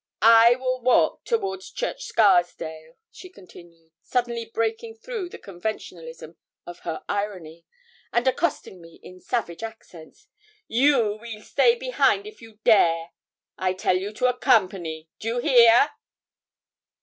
I will walk towards Church Scarsdale,' she continued, suddenly breaking through the conventionalism of her irony, and accosting me in savage accents. 'You weel stay behind if you dare. I tell you to accompany do you hear?'